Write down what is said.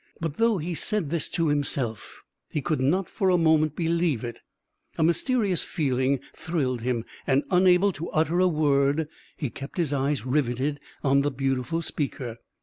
But though he said this to himself, he could not for a moment believe it; a mysterious feeling thrilled him; and, unable to utter a word, he kept his eyes rivetted on the beautiful speaker.